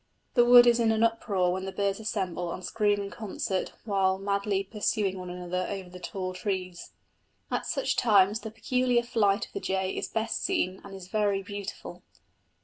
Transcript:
The wood is in an uproar when the birds assemble and scream in concert while madly pursuing one another over the tall trees. At such times the peculiar flight of the jay is best seen and is very beautiful.